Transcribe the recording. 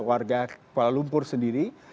warga kuala lumpur sendiri